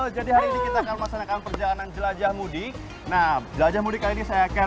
jadi hari ini kita akan memasangkan perjalanan jelajah mudik enam jelajah mudik ini saya akan